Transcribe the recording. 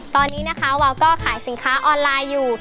ตอนนี้นะคะวาวก็ขายสินค้าออนไลน์อยู่